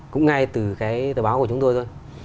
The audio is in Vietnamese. cũng ngay từ cái tờ báo của chúng tôi thôi